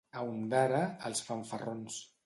A Ondara, els fanfarrons.